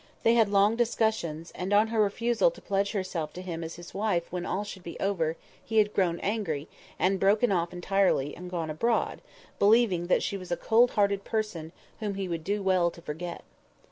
They had had long discussions; and on her refusal to pledge herself to him as his wife when all should be over, he had grown angry, and broken off entirely, and gone abroad, believing that she was a cold hearted person whom he would do well to forget.